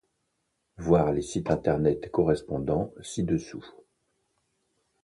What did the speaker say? Voir les sites internet correspondants ci-dessous.